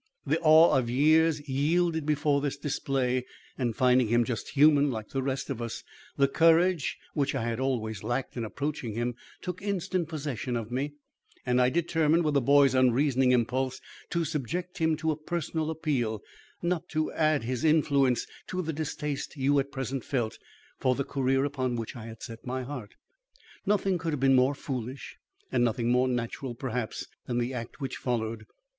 The awe of years yielded before this display, and finding him just human like the rest of us, the courage which I had always lacked in approaching him took instant possession of me, and I determined with a boy's unreasoning impulse to subject him to a personal appeal not to add his influence to the distaste you at present felt for the career upon which I had set my heart. Nothing could have been more foolish and nothing more natural, perhaps, than the act which followed.